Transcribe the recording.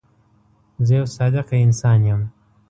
زه یو صادقه انسان یم.